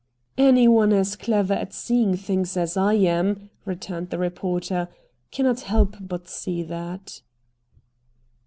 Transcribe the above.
"Any one as clever at seeing things as I am," returned the reporter, "cannot help but see that."